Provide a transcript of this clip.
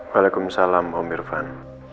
waalaikumsalam om irfan